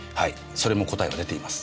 それも答えは出ています。